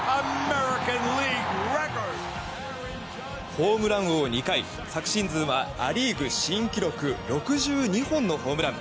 ホームラン王２回昨シーズンはア・リーグ新記録６２本のホームラン。